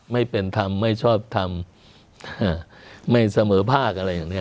ไม่เป็นธรรมไม่ชอบทำไม่เสมอภาคอะไรอย่างนี้